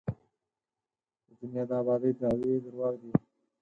د دنیا د ابادۍ دعوې درواغ دي.